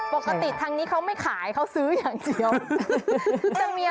ปกติทางนี้เขาไม่ขายเขาซื้ออย่างเดียว